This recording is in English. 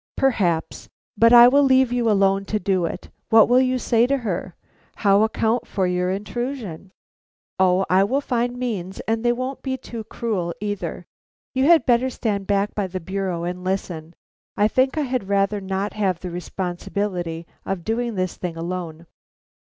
"Perhaps, but I will leave you alone to do it. What will you say to her? How account for your intrusion?" "O I will find means, and they won't be too cruel either. You had better stand back by the bureau and listen. I think I had rather not have the responsibility of doing this thing alone."